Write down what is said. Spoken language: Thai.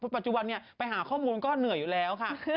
ปัจจุบันไปหาข้อมูลก็เหนื่อยอยู่แล้วค่ะ